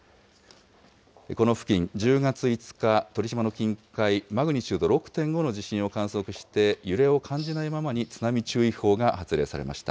この付近、１０月５日、鳥島の近海、マグニチュード６．５の地震を観測して、揺れを感じないままに津波注意報が発令されました。